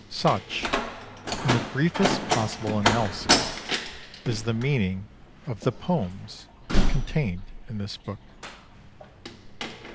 Such, in the briefest possible analysis, is the meaning of the poems contained in this book.